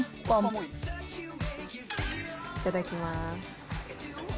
いただきます。